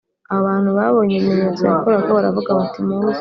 Abantu babonye ibimenyetso yakoraga baravuga bati muze